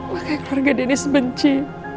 makanya keluarga dennis benci